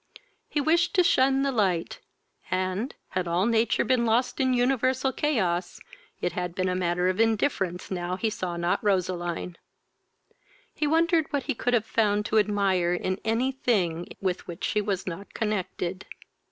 He wished to shun the light, and, had all nature been lost in universal chaos, it had been a matter of indifference now he saw not Roseline: he wondered what he could have found to admire in any thing with which she was not connected.